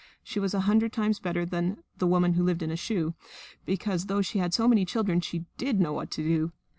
She was a hundred times better than the "Woman who Lived in a Shoe," because, though she had so many children, she did know what to do.